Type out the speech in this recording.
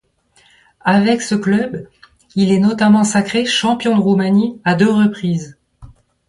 Avec ce club, il est notamment sacré champion de Roumanie à deux reprises.